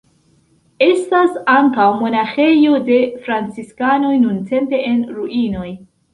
Estas ankaŭ monaĥejo de franciskanoj nuntempe en ruinoj.